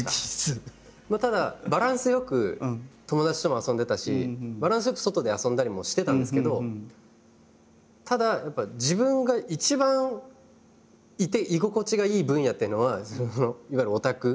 ただバランスよく友達とも遊んでたしバランスよく外で遊んだりもしてたんですけどただやっぱり自分が一番いて居心地がいい分野っていうのはいわゆるオタク。